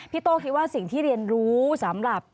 โต้คิดว่าสิ่งที่เรียนรู้สำหรับ